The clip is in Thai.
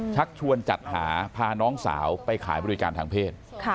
ชักชวนจัดหาพาน้องสาวไปขายบริการทางเพศ